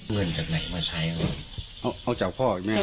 เงินจากไหนมาใช้เอาจากพ่อแม่นี้ครับ